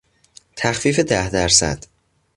تخفیف ده درصد